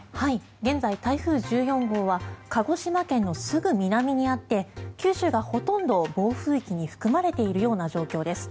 現在、台風１４号は鹿児島県のすぐ南にあって九州がほとんど暴風域に含まれているような状況です。